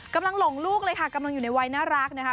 หลงลูกเลยค่ะกำลังอยู่ในวัยน่ารักนะคะ